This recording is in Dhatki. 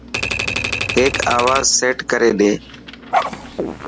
هڪ آواز سيٽ ڪري ڏي.